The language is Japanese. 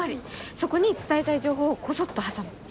そこに伝えたい情報をこそっと挟む。